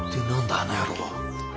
あの野郎は。